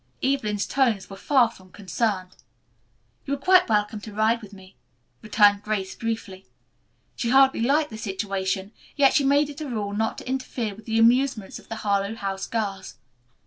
Evelyn's tones were far from concerned. "You are quite welcome to ride with me," returned Grace briefly. She hardly liked the situation, yet she made it a rule not to interfere with the amusements of the Harlowe House girls.